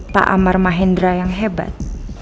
pak amar mahendra yang hebat